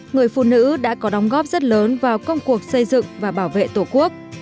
người phụ nữ đã có đóng góp rất lớn vào công cuộc xây dựng và bảo vệ tổ quốc